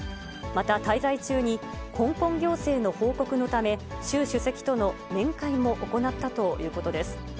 また滞在中に、香港行政の報告のため、習主席との面会も行ったということです。